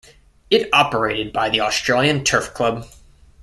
It operated by the Australian Turf Club.